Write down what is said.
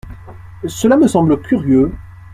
Cela me semble curieux.